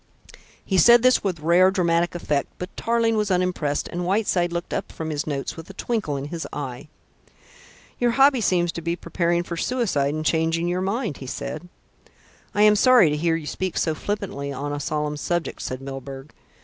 He said this with rare dramatic effect; but Tarling was unimpressed, and Whiteside looked up from his notes with a twinkle in his eye. "You hobby seems to be preparing for suicide and changing your mind," he said. "I am sorry to hear you speak so flippantly on a solemn subject," said Milburgh.